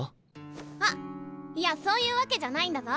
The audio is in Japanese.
あっいやそういうわけじゃないんだぞ。